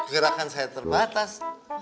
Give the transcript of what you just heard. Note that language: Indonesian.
gerakan saya terbatas